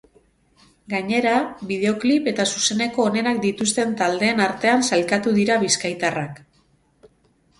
Gainera, bideoklip eta zuzeneko onenak dituzten taldeen artean sailkatu dira bizkaitarrak.